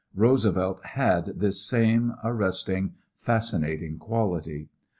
Roosevelt had this same arresting, fascinating quality.